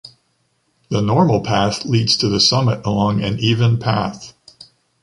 The normal path leads to the summit along an even path.